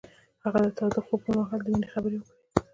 هغه د تاوده خوب پر مهال د مینې خبرې وکړې.